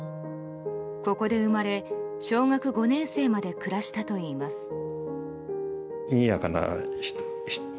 ここで生まれ、小学５年生まで暮らしたといいます。